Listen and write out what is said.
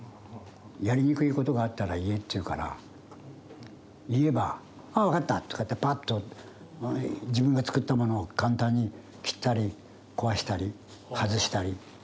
やりにくいことがあったら言えって言うから言えば「ああ分かった」とか言ってパッと自分がつくったものを簡単に切ったり壊したり外したり。